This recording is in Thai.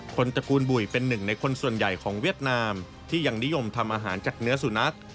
ตระกูลบุ๋ยเป็นหนึ่งในคนส่วนใหญ่ของเวียดนามที่ยังนิยมทำอาหารจากเนื้อสุนัข